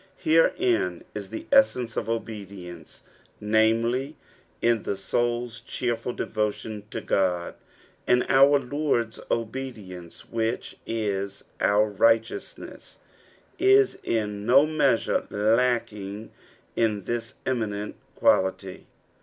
Herein is the essence of obedience, namely, in the soul's cheerful devotion to God : and our Lord's obedience, which is our righteousness, is in no measure lacking in this emiopnt quality.